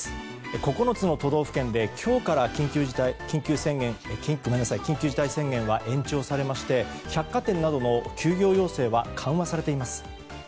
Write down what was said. ９つの都道府県で今日から緊急事態宣言が延長されまして百貨店などの休業要請は緩和されています。